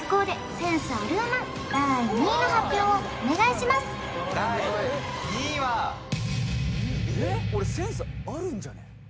センスあるんじゃない？